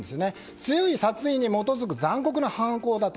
強い殺意に基づく残酷な犯行だと。